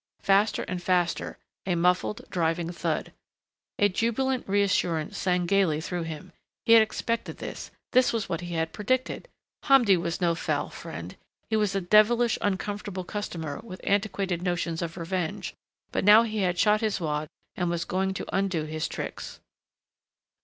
Faster and faster, a muffled, driving thud. A jubilant reassurance sang gayly through him. He had expected this this was what he had predicted. Hamdi was no foul friend. He was a devilish uncomfortable customer with antiquated notions of revenge, but now he had shot his wad and was going to undo his tricks.